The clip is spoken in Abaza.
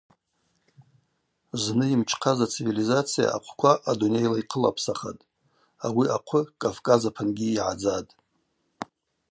Зны ймчхъаз ацивилизация ахъвква адунейла йхъылапсахатӏ, ауи ахъвы Кӏавкӏаз апынгьи йгӏадзатӏ.